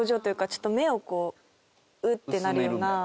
ちょっと目をうってなるような。